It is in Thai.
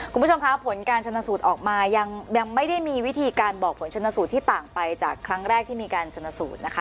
คุณผู้ชมคะผลการชนสูตรออกมายังไม่ได้มีวิธีการบอกผลชนสูตรที่ต่างไปจากครั้งแรกที่มีการชนสูตรนะคะ